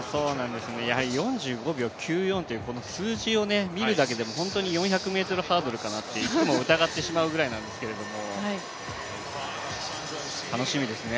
やはり４５秒９４という数字を見るだけでも本当に４００ｍハードルかな？っていつも疑ってしまうぐらいなんですけども楽しみですね。